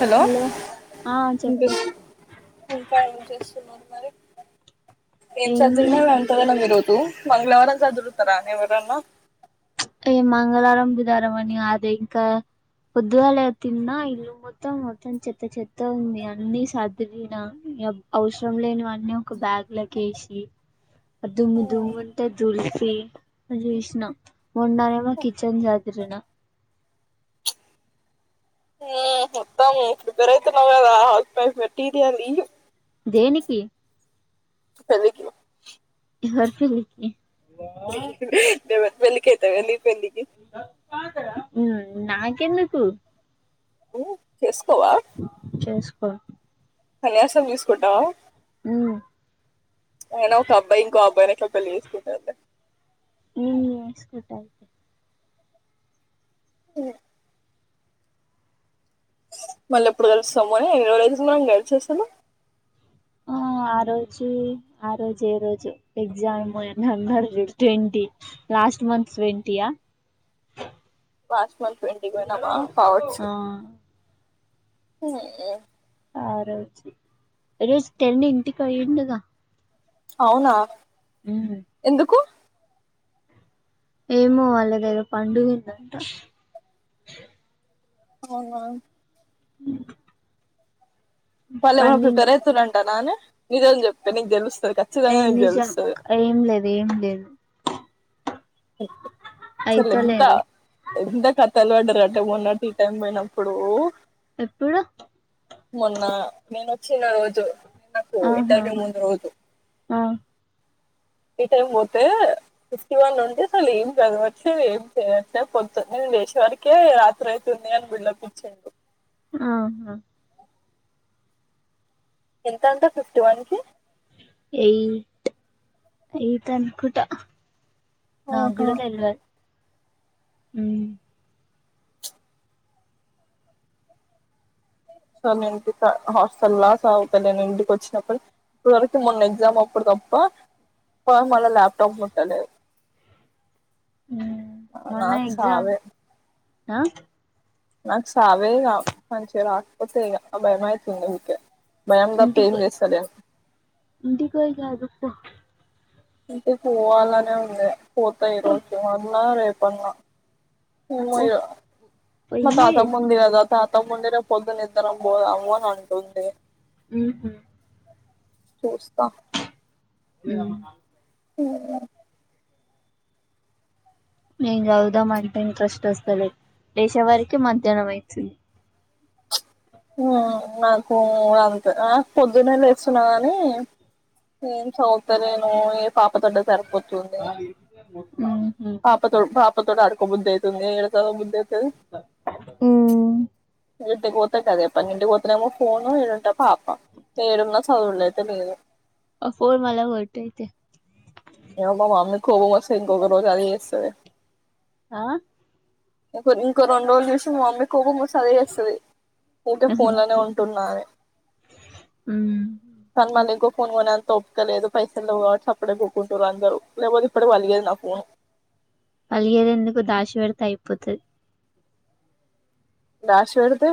Hello ఆ చెప్పే ఇంకా ఏం చేస్తున్నా ఏం సాదిరిన ఈరోజు మంగళవారం సాదురుతారా ఎవరన్నా ఏ మంగళవారం బుదారంమని అదే ఇంకా పొద్దుగాల తిన్నా ఇల్లు మొత్తం మొత్తం చెత్త చెత్త ఉంది అన్ని సర్దునా అవసరం లేనివన్నీ ఒక బ్యాగ్ లాకేసి ఆ దుమ్ము దుమ్ముంతా దులిసి అ చేసినా మన్నరేమ కిచెన్ జాత్రరునా ఉ మొత్తం ప్రిపేర్ అవుతున్నావ్ కదా హౌసెవైఫ్ టీటీ అండి దేనికే పెళ్ళికే ఎవరి ఫలికి ఎవరిపాల్లికినేపల్లెకే నాక ఎందుకు చేసు చేసుకోను సంసయం తీసుకుటా అ అయినా ఒక అబ్బాయి ఇంకో అబ్బాయిని ఎట్లా పెళ్లి చేసుకుంటారు ఓకే ఆ మళ్ళీ ఎప్పుడు కలుస్తాముని ఎ మనం గలిచేస్తాము ఆ ఆ రోజు ఆ రోజు ఏ రోజు exam number twenty last months twenty last month ఇంటికి పోయినమా పోవచ్చు ఆ హు ఆ రోజు ఈ రోజు టెన్ ఇంటికి అయ్యండగా అవునా ఎందుకు ఏమోవాలిద ఏదో పండుగందంట అవునా ఇ వాళ్ళు ఏమోడు పెరువుతున్నా అంట నాని నిజంని చెప్పి నీకు తెలుస్తు ఏ నిజం ఏం లేదు ఏం లేదు అసలు ఎంత అయితలేదు ఎంత క తలు పడ్డరు అంటే మొన్న టీ టైం పోయినప్పుడు ఎప్పుడు? మొన్న నేను వచ్చిన రోజు. నాకు ఆహా ఇంటర్వ్యూ ముందు రోజు. ఆ ఈ టైం పోతే ఫిప్టీ వన్ ఉండి అసలు ఏం చదవట్లేదు ఏం చేయట్లేదు పొద్దున్నే లేశే వరకే రాత్రి అయితుంది అని బిల్డప్ ఇచ్చిండు. ఆహా ఎంతంటా ఫిఫ్టీ వన్ కి ఎయిట్ ఎయిట్ అనుకుంటా నాకు కూడ ఆహా తెల్వది. హ్ సరే నేను గిట్ట హాస్టల్లా సదువుతలేను ఇంటికి వచ్చినప్పుడు ఇప్పటి వరకు మొన్న ఎగ్జామ్ అప్పుడు తప్పా వాడు మళ్ళ ల్యాప్టాప్ ముట్టలేదు. ఉమ్ మొన్న ఎగ్జామ్ నాకుచావే. ఆ నాకు సావే ఇగ మంచిగా రాకపోతే ఇగ భయం అయితుంది ఉకే భయం తప్పా ఏం ఇంటికి చేస్తలేం. అ ఇంటికి పోవాలనే ఉండే పోతా ఈ పో రోజు అన్నా రేపన్నా. ఎమో పో ఇగా మా పోయి తాతమ్మ ఉంది కదా తాత ముండి రేపొద్దున ఇద్దరం పోదాము అని అంటుంది. హుహ్ సూస్తా హ్ [inaudible] మేం చదువుదాం అంటే ఇంట్రెస్ట్ వస్తలేదు లేశే వరకే మధ్యాహ్నం అయితుంది. నాకు కూడ అంతే నాకు పొద్దున్నే లేస్తున్నా కాని ఏం సదువుతలేను ఏ పాప తోటే సరి న ఇ పాపతోటి పాప తోటి ఆడుకోబుద్ది అయితుంది ఏడ చదవబు ఉ ఇంటికి పోతే గదె పని ఇంటికి పోతానేమో ఫోన్, ఇడ ఉంటనేమో పాప ఏడ ఉన్న చదువుడు ఐతే లేదు. అ ఫోన్ పలగొట్టు అయితే, ఏ ఇగ మా మమ్మీ కి కోపం వస్తే ఇంకొక రోజు అదే చేస్తది. ఆ ఇంక ఇంకో రెండు రోజులుచూసి మా మమ్మీ కోపం వస్ స్తే అదే చేస్తది. ఊకే ఫోన్లనే ఉంటున్నా అని. ఉమ్ కానీ మళ్ల ఇంకో ఫోన్ కొనే అంతా ఓపిక లేదు, పైసలు లేవు కాబట్టి సప్పుడేక ఊకు కుంటరుఅందరు లేకపోతే ఇప్పటికి పగిలేది నాఫోన్. పోతది. దాశిపెడితే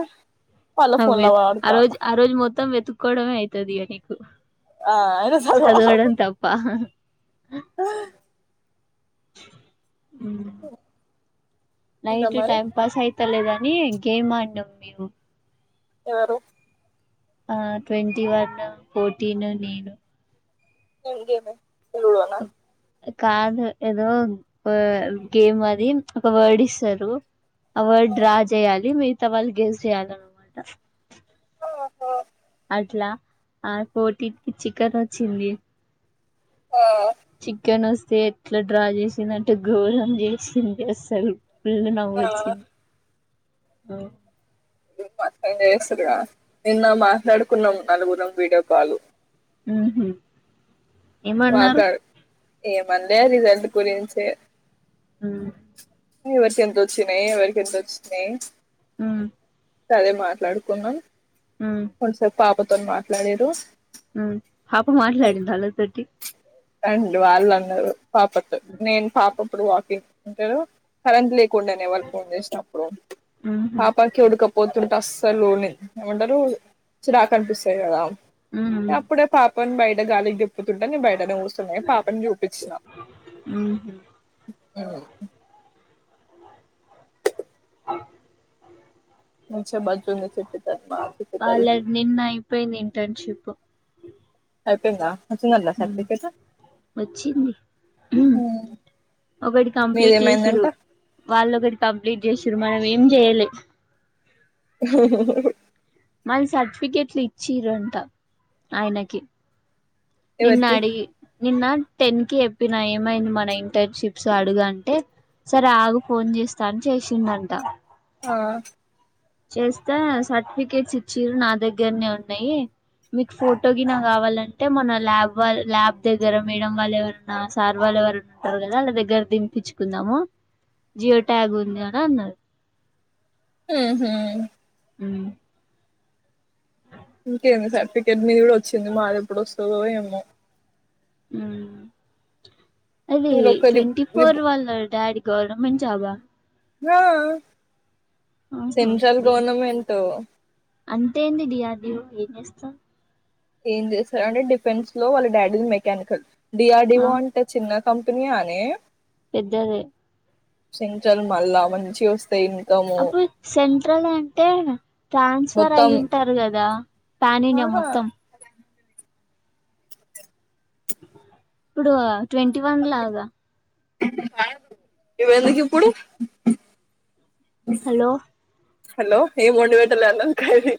అవే ఆ రోజు ఆ రోజు మొత్తం వెతుక్కోవడమే అయతది ఇగ నీకు. ఆ అయినా చదవడం తప్పా. ఆ ఉమ్. ఇంకా నైట్ మరి టైమ్ పాస్ అయితలేదని గేమ్ ఆడినాం మేము. ఎవరు? ఆ ట్వంటీ వన్, ఫోర్టీన్, నేను. ఏం గేమే లుడోనా. కాదు ఏదో గేమ్ అది ఒక వైడి ఇస్తారు. అ వైడ్ డ్రా చేయాలి మిగతా వాళ్ళు గెస్ చేయాలన్నమాట [unintelligible] ఇట్లా ఆ పోటీకి చికెన్ అచ్చింది ఆ చికెన్ వస్తే ఎట్లా డ్రా చేసిందంటే ఘోరం చేసింది అస్సలు ఫుల్ నవ్వు వచ్చింది, ఉ నిన్న [unintelligible] నిన్న మాట్లాడుకున్నాం నాలుగురం వీడియో కాలు ఉహు ఏమన్నారు ఏమన్లే రిజల్ట్ గురించే ఉ ఎవరికి ఎంత వచ్చినాయి, ఎవరికి ఎంత వచ్చినాయి, ఉ అదే మాట్లాడుకున్నాం కొన్సేపు పాపతో మాట్లాడిర్రు. ఉమ్ పాప మాట్లాడింద అల్లతోటి రండి వాళ్ళు అన్నారు, పాపతో నేను పాప ఇప్పుడు వాకింగ్ ఉంటారు. కరెంట్ లేక కుండెనే వాల్ ఫోన్ చేసినప్పుడు ఉహు పాపాకి ఉడుకపోత్ [unintelligible] అస్సలు నిద్ ఏమంటారు చిరాక్ అనిపిస్తాది కదా ఉమ్ అప్పుడే పాప బయట గాలికి దిప్పుతుంటా నే బయ గడ కూసున్నయి పాపని చూపించిన ఉహు మంచిగా బజ్జుంది చిట్టి తల్లి మా చిట్టి [unintelligible] తల్లి వాళ్ళది నిన్న అయిపోయింది ఇంటెన్షిప్ అయిపోయింద ఉ వచ్చింది ఉ ఒకటి కంప్లీట్ మీదేమైందంట జేషిర్రు వాళ్ళోకటి కంప్లీట్ జేసిరు మనం ఏం జేయలే. [unintelligible] వాల్ సర్టిఫికెట్లు ఇచ్చిరంట ఆయనకి నిన్నా ఎవరికి అడిగి నిన్న టెన్ కి చెప్పినా ఏమైంది మన ఇంటర్న్షిప్స్ అడుగంటే సరే ఆగు ఫోన్ చేస్తా అని చేసిండంట ఆ. చూస్తే సర్టిఫికెట్స్ ఇచ్చారు నా దగ్గరనే ఉన్నాయి. మీకు ఫోటో గినా కావాలంటే మన ల్యాబ్ వా ల్యాబ్ దగ్గర మేడం వాళ్ళు ఎవరన్నా సార్ వాళ్ళు ఎవరయినా ఉంటారు కదా వల్ల దగ్గర దింపించుకుందాము, జియో ట్యాగ్ ఉంది, కదా అన్నారు, ఉహూ ఉ ఇంకేంది సర్టిఫికేట్ మీది గూడా వచ్చింది మాదేప్పుడోస్తదో ఏమో. ఉ అది వీళ్ళొక్క రిప్ ట్వంటీ ఫోర్ రిప్ వాళ్ళ డాడీ గవర్నమెంట్ జాబా వా ఉహూ బీబీ అంతాయింది డి ఆర్ బి లో ఏంచేస్తాం ఏం చేశా అంటే డిఫెన్స్ లో వాళ్ళ డాడీ మెకానికల్ ఆ డిఆర్డిఓ అంటే చిన్న కంపినీ అనే పెద్దదే సెంట్రల్ మల్లా మంచి వస్తాయి ఇన్కము అప్పుడు సెంట్రల్ అంటే ట్రాన్స్ఫర్ అయి మొత్తం ఉంటారు కదా, పనీనే ఆహా మొత్తం ఇప్పుడు ట్వంటీ వన్ లాగా అ ఇవి ఎందుకు ఇప్పుడు హలో హలో ఏం వండి పెట్టాలె, అన్నం కర్రీ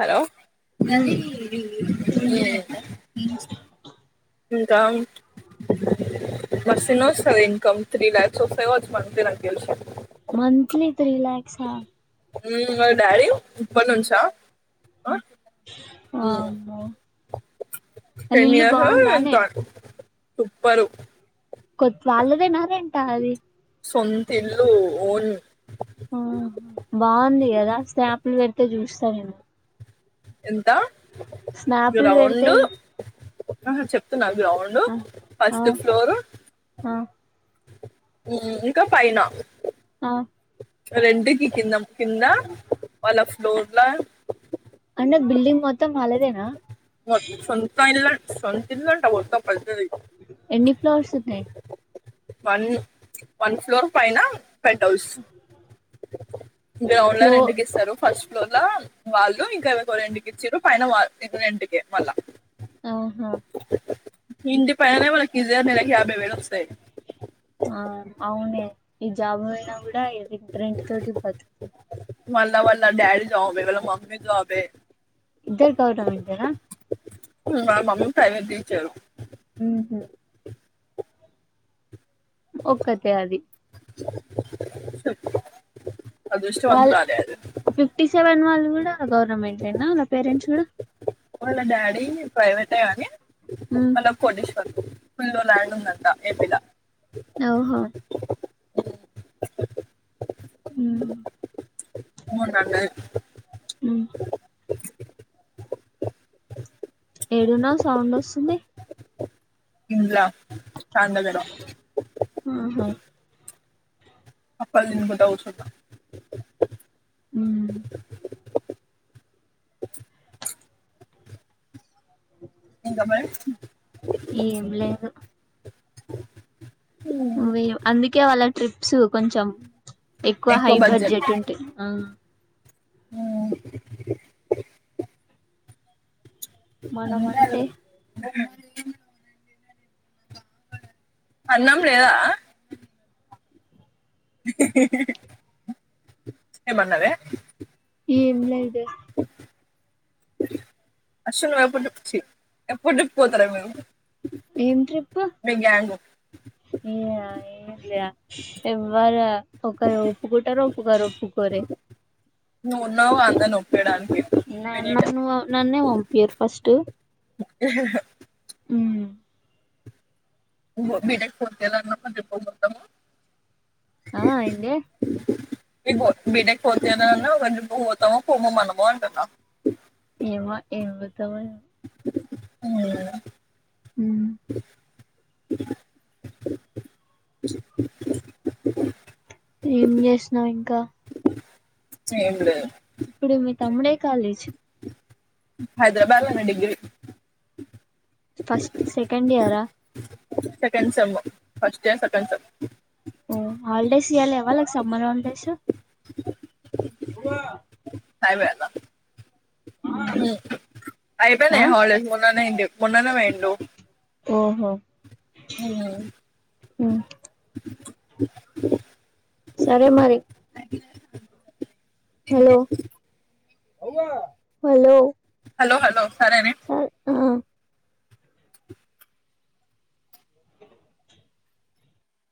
హలో ఉమ్ [unintelligible] ఇంకా మంచిగానే వస్తది ఇన్కమ్ త్రీ లాక్స్ వస్తది కావచ్చు మంత్లీ నాకు తెలిసి మంత్లీ త్రీ లాక్స్ ఆ ఉమ్ మరి డాడీ ఇప్పట్ నుంచ వామ్మో వాళ్ళ టెన్ ఇల్లు ఇయర్స్ లో బాగుందానే రికార్డ్ సూపర్ కొత్ వాళ్ళదేనా రెంటా అది, సొంత ఇల్లు ఓన్ ఆ బాగుంది కదా స్నాపులు పెడితే చూస్త సరేన ఎంతా స్నాపులు పెడితే గ్రౌండ్ ఆ చెప్తున్నా గ్రౌండ్ ఆ ఆ ఫస్ట్ ఫ్లోరు ఆ ఉమ్ ఇంకా పైన ఆ రెంటికీ కిందా వాళ్ళ ఫ్లోర్లా అంటే బిల్డింగ్ మోత్ మో సొంత ఇల్ సొంత ఇల్లు అంట మొత్తం పెద్దది, ఎన్ని ఫ్లోర్స్ ఉన్నయి వన్ వన్ ఫ్లోర్ పైన పెంట్ హౌస్ గ్రౌండ్ లో ఫ్లో రెంట్ కి ఇస్తారు ఫస్ట్ ఫ్లోర్ లా వాళ్ళు ఇంకా ఎవరికో రెంట్ కి ఇచ్చిరు, పైన వాళ్ళు రెంట్ కే మళ్ళ వాళ్లు, ఆహా ఈ ఇంటి పైనే వాళ్లకి ఈజీగా నెలకి యాభై వేలు వస్తాయి, ఆ అవునే ఈ జాబ్ పోయినా కూడా ఇ రె రెంట్ తోటి బతుక్ మల్ల మల్ల డాడీ జాబే మళ్ళ మమ్మీ జాబే ఇద్దరు గవర్నమెంట్ ఏనా వాళ్ళ మమ్మీ ప్రైవేట్ టీచర్ ఉమ్ ఒక్కతే అది చప్ వాళ్ళ ఫిఫ్టీ సెవెన్ వాళ్ళు కూడా గవర్నమెంట్ ఏనా వాళ్ళ పేరెంట్స్ కూడా వాళ్ళ డాడీ ప్రైవేట్ ఏ కాని ఉమ్ వాళ్ళ కొటి ఫుల్ల్లో ల్యాండ్ ఉందంట ఏపీలా అఓహో ఉం మొన్న అన్నది అ ఏడున్నావు సౌండ్ వస్తుంది ఇంట్ల ఫ్యాన్ దగ్గర ఆహా అప్పలు తినుకుంటా కుర్చున్నా ఉమ్ ఇంకా మరి ఏం లేదు అందుకే వాళ్ళ ట్రిప్స్ కొంచెం ఎక్కువ హై బడ్జెట్ ఉంటే ఆ మనం ఏమైంది ఆ అంటే అన్నాం లేదా ఏమన్నవే? ఏం లేదే అసలు నువ్వు ఎప్పుడుచ్చి ఛీ ఎప్పుడు చెప్ పోతారే మీరు ఏం ట్రిప్ మీ గ్యాంగ్ ఎవ్వర ఒక ఒప్పుకుంటరు, ఒప్పుకోరు, ఒప్పుకోరే నువ్వు ఉన్నావ్ గా అందర్ను నన్ నన్నే వంపీయర్ ఫస్ట్ ఉమ్ బో బీటెక్ పూర్తి, అయిపోయేలోపు ట్రిప్కొ పోతాము ఆ ఏందే బీటెక్ ఫోర్త్ ఇయరన్నా ఒక పోతామో పోమో మనము అంటున్న తమే ఉమ్ ఉమ్ ఏం జేస్నావ్ ఇంకా ఏం లేదు ఇప్పుడు మీ తమ్ముడే ఏ కాలేజ్ హైదరాబాద్ లోనే డిగ్రీ ఫస్ట్ సెకండ్ ఇయరా second sem first year second sem ఓ హాలిడేస్ ఇయ్యాలెవా లైక్ సమ్మర్ హాలిడేస్ [unintelligible] చాయ్ పోయాల్నా, ఉమ్ అయిపోనాయ్ ఆ హాలిడేస్ మొన్ననే ఏంటి మొన్ననే పొయిండు ఓహో ఉమ్ ఉ సరే మరి. హలో హలో హలో హలో సరేనే. సర్ ఆ